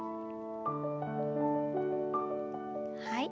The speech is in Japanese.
はい。